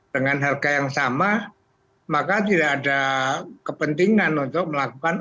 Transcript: dengan harga yang sama maka tidak ada kepentingan untuk melakukan